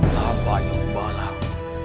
tak banyak balang